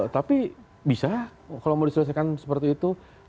tapi bisa kalau mau diselesaikan seperti itu